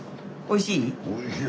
おいしい？